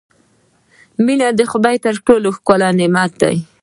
• مینه د خدای تر ټولو ښکلی نعمت دی.